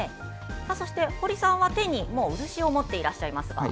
そして堀さんはもう手に漆を持っていらっしゃいますが。